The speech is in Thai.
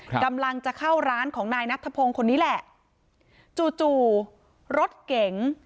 กำลังจะเข้าร้านของนายนัทธพงศ์คนนี้แหละจู่จู่รถเก๋ง